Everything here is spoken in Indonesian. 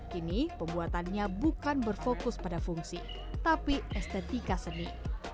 kini pembuatannya bukan berfokus pada fungsi tapi estetika seni